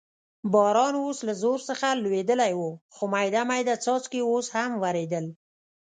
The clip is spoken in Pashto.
باران اوس له زور څخه لوېدلی و، خو مېده مېده څاڅکي اوس هم ورېدل.